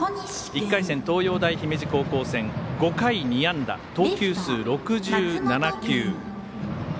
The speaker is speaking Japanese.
１回戦、東洋大姫路高校戦５回２安打、投球数６７球。